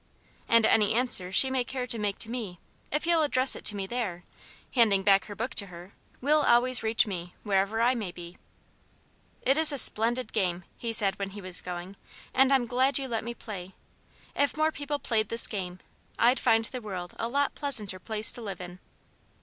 "And any answer she may care to make to me, if you'll address it to me there," handing back her book to her, "will always reach me, wherever I may be." "It is a splendid game," he said when he was going, "and I'm glad you let me play. If more people played this game, I'd find the world a lot pleasanter place to live in."